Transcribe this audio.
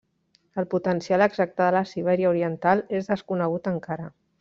El potencial exacte de la Sibèria Oriental és desconegut encara.